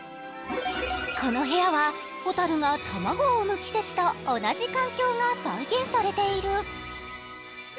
この部屋は蛍が卵を産む季節と同じ環境が再現されている。